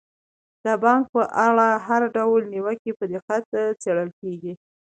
د بانک په اړه هر ډول نیوکه په دقت څیړل کیږي.